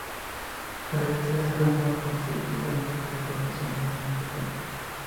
El hospital está conectado con los principales núcleos de población de la siguiente forma.